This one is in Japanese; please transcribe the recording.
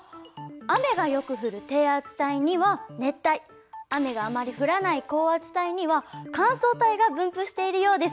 雨がよく降る低圧帯には熱帯雨があまり降らない高圧帯には乾燥帯が分布しているようです。